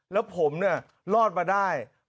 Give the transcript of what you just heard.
แล้วผมเนี่ยรอดมาได้